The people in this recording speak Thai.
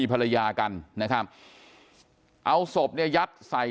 กลุ่มตัวเชียงใหม่